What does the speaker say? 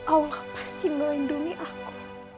allah pasti melindungi aku